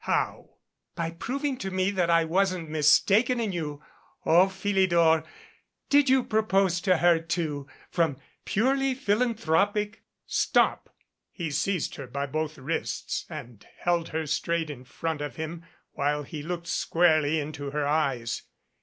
"How?" "By proving to me that I wasn't mistaken in you. O Philidor, did you propose to her, too, from purely philanthropic " "Stop!" He seized her by both wrists and held her straight in front of him, while he looked squarely into her eyes.